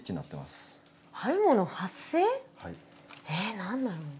え何だろう？